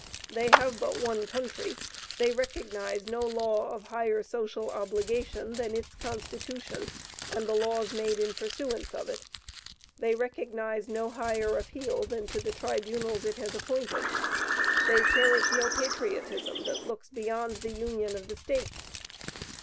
They have but one country; they recognize no law of higher social obligation than its constitution and the laws made in pursuance of it; they recognize no higher appeal than to the tribunals it has appointed; they cherish no patriotism that looks beyond the union of the States.